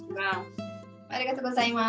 ありがとうございます。